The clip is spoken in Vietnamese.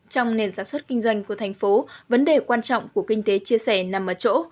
trong nền sản xuất kinh doanh của thành phố vấn đề quan trọng của kinh tế chia sẻ nằm ở chỗ